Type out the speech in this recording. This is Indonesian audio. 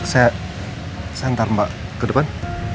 saya saya ntar mbak ke depan